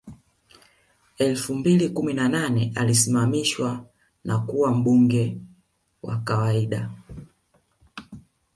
Elfu mbili kumi na nane alisimamishwa na kuwa mbunge wa kawaida